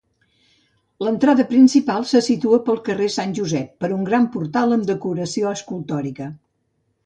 L'entrada principal se situa pel carrer Sant Josep, per un gran portal amb decoració escultòrica.